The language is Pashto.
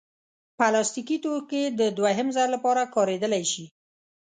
پلاستيکي توکي د دوهم ځل لپاره کارېدلی شي.